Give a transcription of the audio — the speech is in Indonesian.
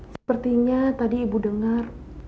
sepertinya tadi ibu dengar